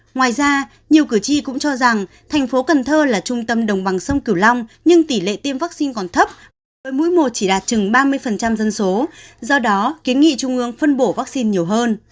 ngoài ra nhiều cử tri cũng cho rằng thành phố cần thơ là trung tâm đồng bằng sông cửu long nhưng tỷ lệ tiêm vaccine còn thấp mỗi mùa chỉ đạt chừng ba mươi dân số do đó kiến nghị trung ương phân bổ vaccine nhiều hơn